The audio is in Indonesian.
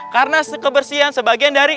karena kebersihan sebagian dari